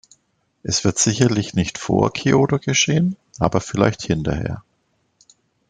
Es wird sicherlich nicht vor Kyoto geschehen, aber vielleicht hinterher.